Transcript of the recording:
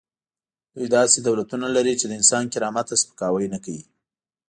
دوی داسې دولتونه لري چې د انسان کرامت ته سپکاوی نه کوي.